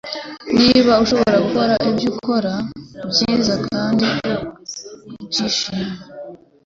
Niba ushobora gukora ibyo ukora byiza kandi ukishima,